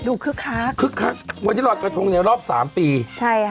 คึกคักคึกคักวันนี้รอยกระทงในรอบสามปีใช่ค่ะ